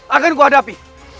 akan ku hadapi